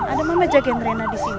ada mama jagain rena disini